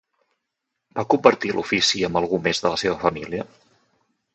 Va compartir l'ofici amb algú més de la seva família?